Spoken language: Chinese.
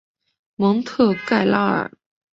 蒙特盖拉尔。